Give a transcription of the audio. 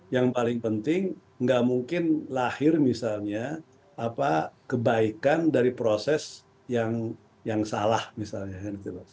yang paling penting nggak mungkin lahir misalnya kebaikan dari proses yang salah misalnya